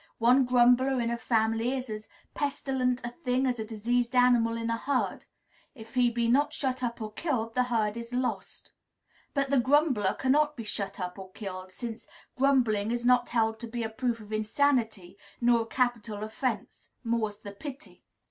One grumbler in a family is as pestilent a thing as a diseased animal in a herd: if he be not shut up or killed, the herd is lost. But the grumbler cannot be shut up or killed, since grumbling is not held to be a proof of insanity, nor a capital offence, more's the pity.